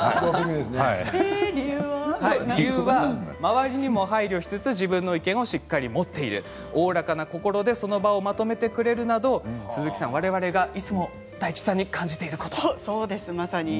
理由は周りにも配慮しつつ自分の意見をしっかり持っているおおらかな心でその場をまとめてくれるなどわれわれがいつも大吉さんに感じていることです。